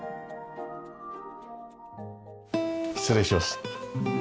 失礼します。